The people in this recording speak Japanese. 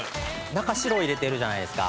中白を入れてるじゃないですか。